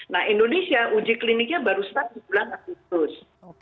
nah indonesia uji kliniknya baru start di bulan agustus